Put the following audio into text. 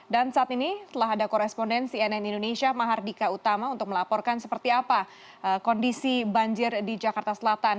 dan saat ini telah ada korespondensi nn indonesia mahardika utama untuk melaporkan seperti apa kondisi banjir di jakarta selatan